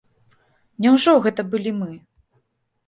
Няўжо гэта былі мы?